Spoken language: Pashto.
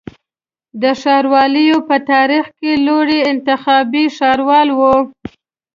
د ښاروالیو په تاریخ کي لوړی انتخابي ښاروال و